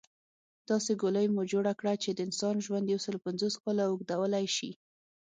داسې ګولۍ مو جوړه کړه چې د انسان ژوند يوسل پنځوس کاله اوږدولی شي